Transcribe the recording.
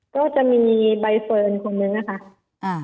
ก็จะมีใบเฟิร์นคนนึงนะคะ